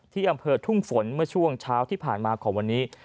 ที่อำเภอทุ่งฝนเมื่อช่วงเช้าที่ผ่านมาของวันนี้